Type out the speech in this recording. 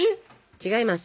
違います！